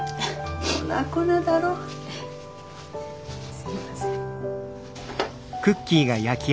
すいません。